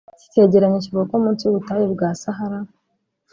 Iki cyegeranyo kivuga ko munsi y’ubutayu bwa Sahara